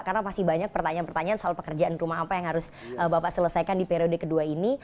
karena pasti banyak pertanyaan pertanyaan soal pekerjaan rumah apa yang harus bapak selesaikan di periode kedua ini